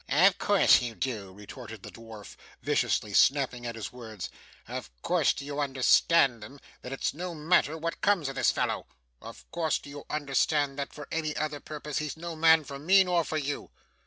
'Of course you do,' retorted the dwarf, viciously snapping at his words. 'Of course do you understand then, that it's no matter what comes of this fellow? of course do you understand that for any other purpose he's no man for me, nor for you?